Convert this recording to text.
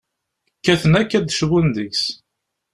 Kkaten akk ad d-cbun deg-s.